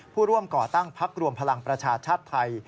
ผู้ร่วมก่อตั้งพักรวมพลังประชาชาติไทย